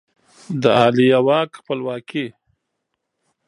د عالیه واک خپلواکي